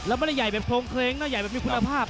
ไอจ่ายแบบโครงเคลงจ่ายแบบมีคุณภาพ